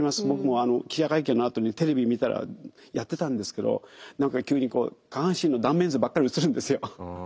僕も記者会見のあとにテレビ見たらやってたんですけど何か急に下半身の断面図ばっかり映るんですよ。